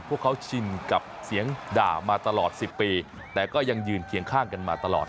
พวกเขาชินกับเสียงด่ามาตลอด๑๐ปีแต่ก็ยังยืนเคียงข้างกันมาตลอด